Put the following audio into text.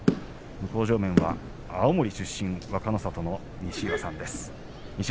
向正面は青森出身若の里の西岩さんです。